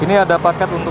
ini ada paket untuk